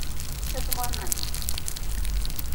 ইচ্ছা তোমার নাই?